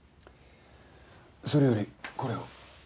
それよりこれを。